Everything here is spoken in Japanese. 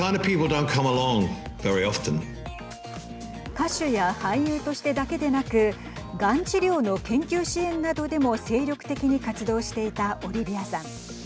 歌手や俳優としてだけでなくがん治療の研究支援などでも精力的に活動していたオリビアさん。